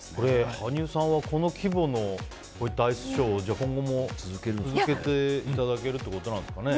羽生さんはこの規模のアイスショーを今後も続けていただけるってことなんですかね。